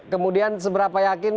kemudian seberapa yakin